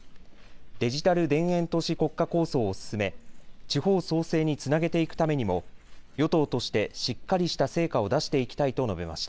デジタル田園都市国家構想を進め地方創生につなげていくためにも与党としてしっかりした成果を出していきたいと述べました。